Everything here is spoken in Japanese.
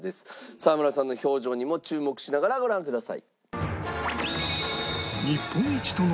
沢村さんの表情にも注目しながらご覧ください。